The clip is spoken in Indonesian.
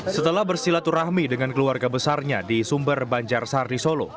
setelah bersilaturahmi dengan keluarga besarnya di sumber banjar sari solo